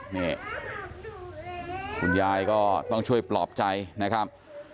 นี่คุณยายก็ต้องช่วยปลอบใจนะครับ